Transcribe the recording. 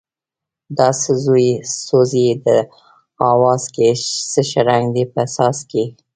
دا څه سوز یې دی اواز کی څه شرنگی یې دی په ساز کی